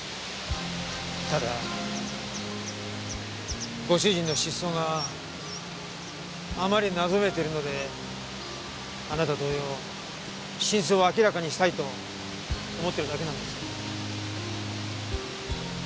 ただご主人の失踪があまりに謎めいているのであなた同様真相を明らかにしたいと思ってるだけなんです。